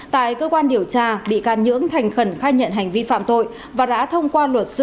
tại cơ quan điều tra bị can nhưỡng thành khẩn khai nhận hành vi phạm tội và đã thông qua luật sư